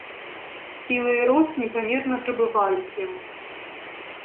Сіла і рост непамерна прыбывалі к яму.